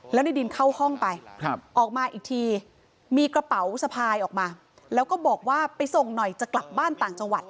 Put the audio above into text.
แล้วในดินเข้าห้องไปออกมาอีกทีมีกระเป๋าสะพายออกมาแล้วก็บอกว่าไปส่งหน่อยจะกลับบ้านต่างจังหวัด